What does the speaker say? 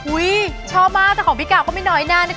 ชอบมากแต่ของพี่กาวก็ไม่น้อยหน้านะคะ